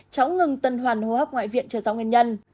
cháu ngừng tân hoàn hô hấp ngoại viện cho giáo nguyên nhân